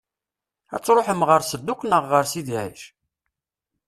Ad tṛuḥem ɣer Sedduq neɣ ɣer Sidi Ɛic?